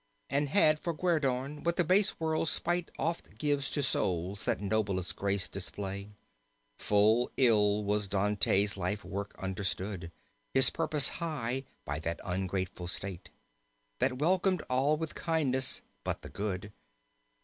And had for guerdon what the base world's spite Oft gives to souls that noblest grace display, Full ill was Dante's life work understood, His purpose high, by that ungrateful state. That welcomed all with kindness but the good.